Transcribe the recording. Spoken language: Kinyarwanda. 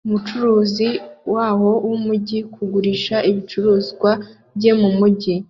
Umucuruzi waho mumujyi kugurisha ibicuruzwa bye mumujyi